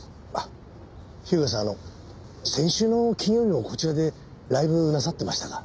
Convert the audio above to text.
日向さんあの先週の金曜日もこちらでライブなさってましたか？